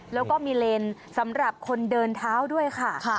แล้วก็มีเลนสำหรับคนเดินเท้าด้วยค่ะ